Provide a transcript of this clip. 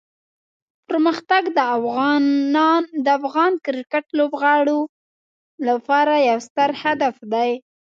پرمختګ د افغان کرکټ لوبغاړو لپاره یو ستر هدف دی.